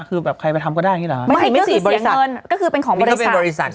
คือแบบใครไปทำก็ได้อย่างงีหรอไม่สี่เสียเงินก็คือเป็นของบริษัท